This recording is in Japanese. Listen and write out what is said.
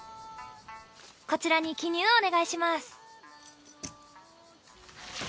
こちらに記入お願いします。